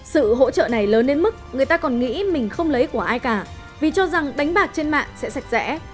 sự hỗ trợ này lớn đến mức người ta còn nghĩ mình không lấy của ai cả vì cho rằng đánh bạc trên mạng sẽ sạch sẽ